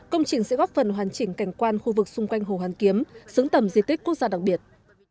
công trình sẽ góp phần hoàn chỉnh cảnh quan khu vực xung quanh hồ hoàn kiếm xứng tầm di tích quốc gia đặc biệt